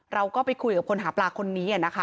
เราก็ไปคุยกับคนหาปลาคนนี้นะคะ